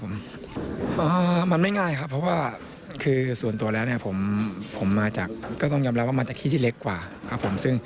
มันไม่ง่ายครับเพราะว่าคือส่วนตัวแล้วเนี่ยผมมาจากก็ต้องยอมรับว่ามาจากที่ที่เล็กกว่าครับผมซึ่ง